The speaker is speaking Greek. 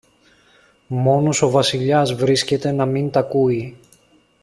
Μόνος ο Βασιλιάς βρίσκεται να μην τ' ακούει